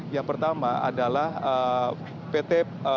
yang pertama adalah pt